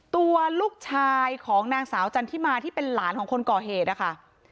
ตัวลูกชายของนางสาวจันทิมาที่เป็นหลานของคนก่อเหตุนะคะ